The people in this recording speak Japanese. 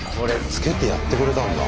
つけてやってくれたんだ。